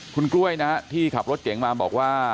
คุณกล้วยนะที่ขับรถเก๋งมาบอกว่า